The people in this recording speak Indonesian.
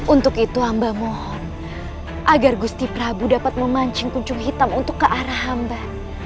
untuk itu hamba mohon agar gusti prabu dapat memancing kuncung hitam untuk ke arah hamba